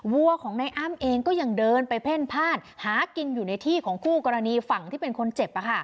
วัวของในอ้ำเองก็ยังเดินไปเพ่นพ่านหากินอยู่ในที่ของคู่กรณีฝั่งที่เป็นคนเจ็บ